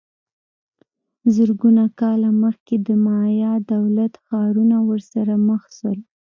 زرګونه کاله مخکې د مایا دولت ښارونه ورسره مخ سول